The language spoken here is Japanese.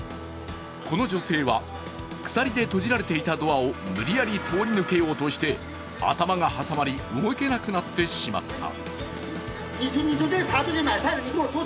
この女性は鎖で閉じられていたドアを無理やり通り抜けようとして頭が挟まり、動けなくなってしまった。